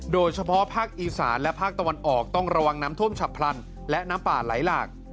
โดยเฉพาะภาคอีสานและภาคตะวันออกต้องระวังน้ำท่วมฉับพลันและน้ำป่าไหลหลาก